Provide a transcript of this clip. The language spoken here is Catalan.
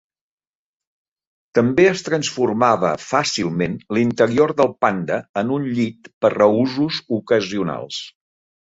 També es transformava fàcilment l'interior del Panda en un llit per a usos ocasionals.